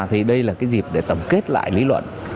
thì đây là cái dịp để tổng kết lại lý luận